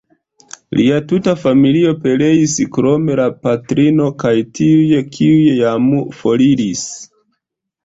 Lia tuta familio pereis krom la patrino kaj tiuj, kiuj jam foriris.